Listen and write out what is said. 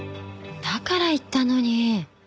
だから言ったのに。